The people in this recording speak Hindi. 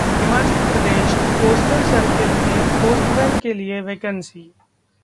हिमाचल प्रदेश पोस्टल सर्किल में पोस्टमैन के लिए वैकेंसी